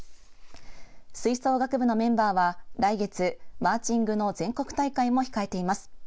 吹奏楽部のメンバーは来月、マーチングの全国大会も控えています。